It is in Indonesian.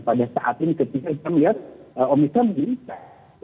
pada saat ini ketika kita melihat omikron meningkat